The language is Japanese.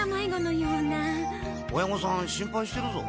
親御さん心配してるぞ。